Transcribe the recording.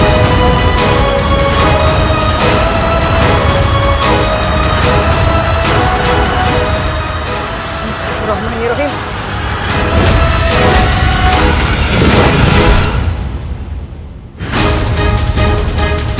aku sudah smaller itu semua sangat